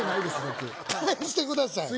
僕返してください